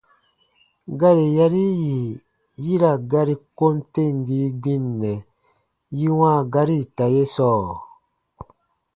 Gari yari yì yi ra gari kom temgii gbinnɛ yi wãa gari ita ye sɔɔ?